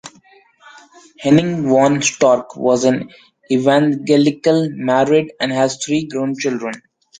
Henning von Storch was an Evangelical, married and has three grown children.